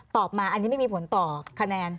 ตอบมาอันนี้ไม่มีผลต่อคะแนน